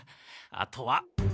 あとは。